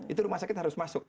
itu rumah sakit harus masuk